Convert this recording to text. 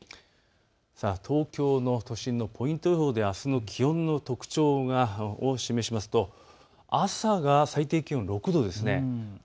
東京の都心のポイント予報であすの気温の特徴を示しますと朝が最低気温６度です。